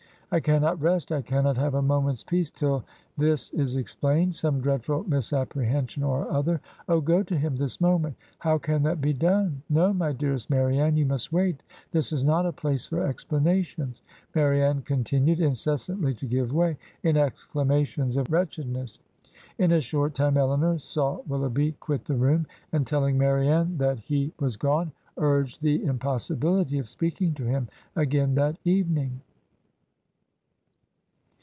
... I cannot rest, I cannot have a moment's peace, till this is explained — some dreadful misapprehension or other. Oh, go to him this moment.' 'How can that be done? No, my dearest Marianne, you must wait. This is not a place for explanations '... Marianne continued incessantly to give way ... in exclamations of wretchedness. In a short time Elinor saw Willoughby quit the room ... and telling Marianne that he 73 Digitized by VjOOQIC HEROINES OF FICTION was gone, urged the impossibility of speaking to him again that evening."